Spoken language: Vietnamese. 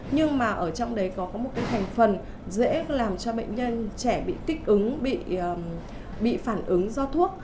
nhưng mà ở trong đấy có một thành phần dễ làm cho bệnh nhân trẻ bị kích ứng bị phản ứng do thuốc